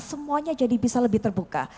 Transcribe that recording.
semuanya jadi bisa lebih terbuka